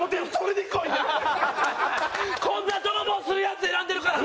こんな泥棒するヤツ選んでるからな。